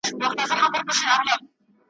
د رنګونو وېش یې کړی په اوله ورځ سبحان `